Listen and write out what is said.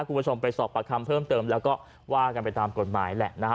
คุณผู้ชมไปสอบประคำเพิ่มเติมแล้วก็ว่ากันไปตามกฎหมายแหละนะฮะ